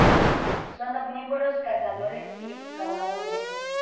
Son omnívoros, cazadores y excavadores.